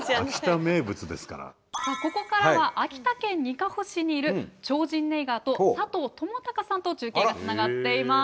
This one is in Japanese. ここからは秋田県にかほ市にいる超神ネイガーと佐藤智隆さんと中継がつながっています。